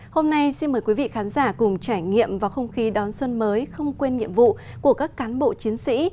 hôm nay xin mời quý vị khán giả cùng trải nghiệm vào không khí đón xuân mới không quên nhiệm vụ của các cán bộ chiến sĩ